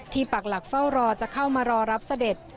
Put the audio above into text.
ปักหลักเฝ้ารอจะเข้ามารอรับเสด็จ